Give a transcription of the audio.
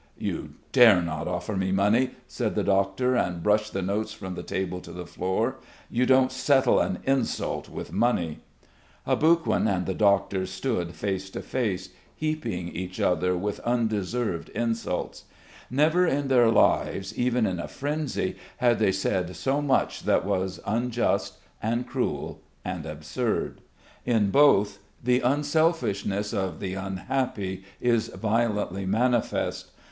"You dare not offer me money," said the doctor, and brushed the notes from the table to the floor. "You don't settle an insult with money." Aboguin and the doctor stood face to face, heaping each other with undeserved insults. Never in their lives, even in a frenzy, had they said so much that was unjust and cruel and absurd. In both the selfishness of the unhappy is violently manifest.